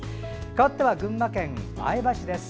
かわっては群馬県前橋です。